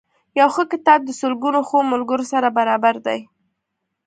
یو ښه کتاب د سلګونو ښو ملګرو سره برابر دی.